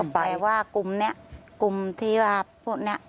ไปว่ากลุ่มนี้กลุ่มที่ว่าพวกนี้